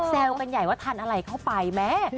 กันใหญ่ว่าทานอะไรเข้าไปแม่